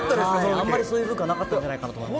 あんまりそういう文化はなかったのかと思います。